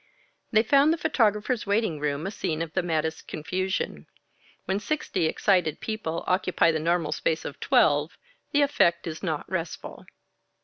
They found the photographer's waiting room a scene of the maddest confusion. When sixty excited people occupy the normal space of twelve, the effect is not restful.